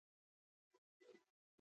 آیا دوی خپل موټرونه نه جوړوي؟